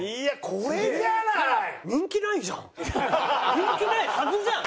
人気ないはずじゃん！